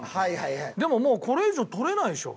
でももうこれ以上取れないでしょ。